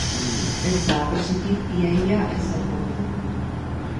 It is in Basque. Ez da harresitik ia-ia ezer gorde.